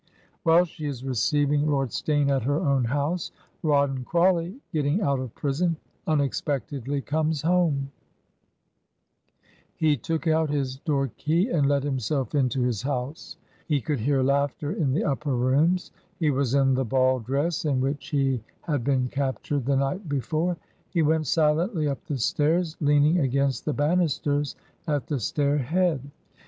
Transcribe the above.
While she is receiving Lord Steyne at her own house, Rawdon Crawley, get ting out of prison, unexpectedly comes home. 195 Digitized by VjOOQIC HEROINES OF FICTION "He took out his door key and let himself into his house. He could hear laughter in the uf^r rooms. He was in the ball dress in which he had been captured the night before. He went silently up the stairs, lean ing against the banisters at the stair head.